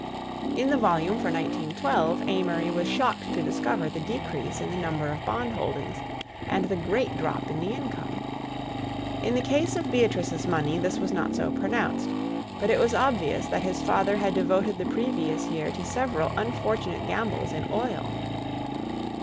In the volume for 1912 Amory was shocked to discover the decrease in the number of bond holdings and the great drop in the income. In the case of Beatrice's money this was not so pronounced, but it was obvious that his father had devoted the previous year to several unfortunate gambles in oil.